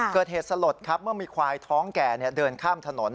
สลดครับเมื่อมีควายท้องแก่เดินข้ามถนน